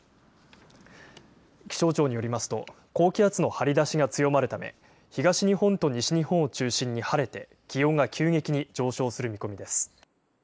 気象庁によりますと、高気圧の張り出しが強まるため、東日本と西日本を中心に晴れて、気温が急激に上昇する見込みです。